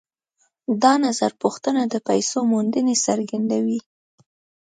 دا نظرپوښتنه د پیسو موندنې څرګندوي